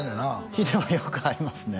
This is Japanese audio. ヒデはよく会いますね